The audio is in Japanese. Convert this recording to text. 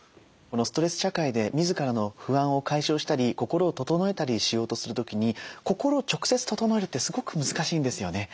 このストレス社会で自らの不安を解消したり心を整えたりしようとする時に心を直接整えるってすごく難しいんですよね。